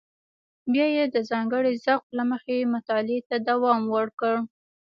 بیا یې د ځانګړي ذوق له مخې مطالعه ته دوام ورکړ.